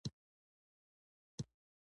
د رسټورانټ مخې ته مې یو عکس واخلي.